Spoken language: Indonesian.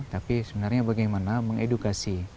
tapi sebenarnya bagaimana mengedukasi